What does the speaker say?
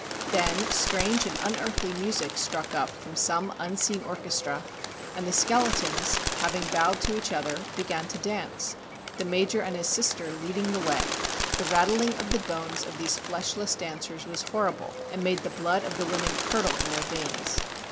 Then strange and unearthly music struck up from some unseen orchestra, and the skeletons having bowed to each other began to dance, the Major and his sister leading the way. The rattling of the bones of these fleshless dancers was horrible, and made the blood of the women curdle in their veins.